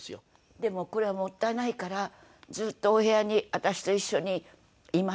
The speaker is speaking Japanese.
でもこれはもったいないからずっとお部屋に私と一緒にいます。